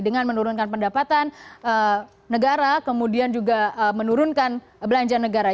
dengan menurunkan pendapatan negara kemudian juga menurunkan belanja negara